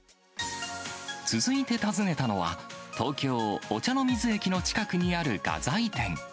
続いて訪ねたのは、東京・御茶ノ水駅の近くにある画材店。